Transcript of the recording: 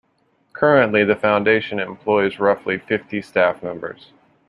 Currently the Foundation employs roughly fifty staff members.